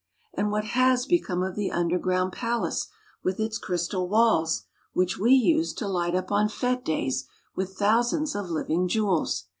And what has become of the underground palace, with its crystal walls, which we used to light up on fete days with thousands of living jewels